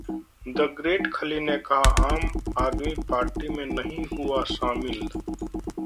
'the great Khali' ने कहा- आम आदमी पार्टी में नहीं हुआ शामिल